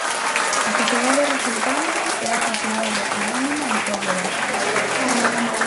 A sociedade resultante é a "Sociedade Anónima El Pueblo Vasco".